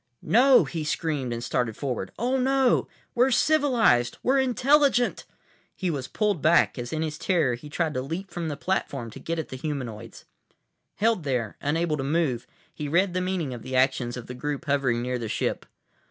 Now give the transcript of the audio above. "No!" he screamed and started forward. "Oh, no! We're civilized. We're intelligent!" He was pulled back, as in his terror he tried to leap from the platform to get at the humanoids. Held there, unable to move, he read the meaning of the actions of the group hovering near the ship.